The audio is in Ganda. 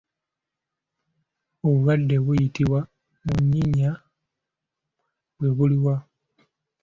Obulwadde obuyitibwa munyinya bwe buliwa?